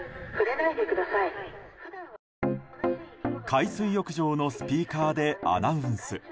海水浴場のスピーカーでアナウンス。